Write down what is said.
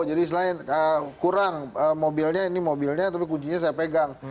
jadi selain kurang mobilnya ini mobilnya tapi kuncinya saya pegang